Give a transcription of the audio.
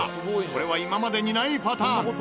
これは今までにないパターン。